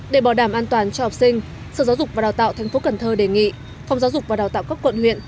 để bảo đảm an toàn cho học sinh sở giáo dục và đào tạo tp cn đề nghị phòng giáo dục và đào tạo các quận huyện